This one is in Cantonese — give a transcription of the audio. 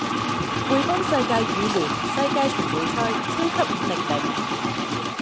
滙豐世界羽聯世界巡迴賽超級五零零